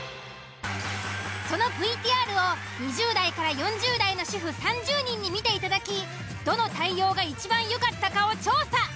そのＶＴＲを２０代４０代の主婦３０人に見ていただきどの対応がいちばんよかったかを調査。